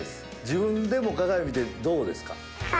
自分でも鏡見てどうですか？